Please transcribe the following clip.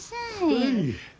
はい。